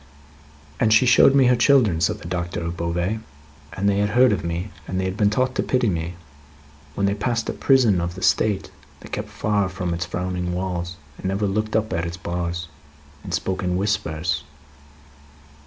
"And she showed me her children," said the Doctor of Beauvais, "and they had heard of me, and had been taught to pity me. When they passed a prison of the State, they kept far from its frowning walls, and looked up at its bars, and spoke in whispers.